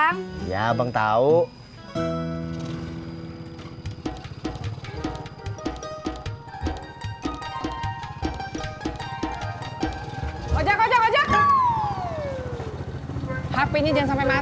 ntar gue balik lagi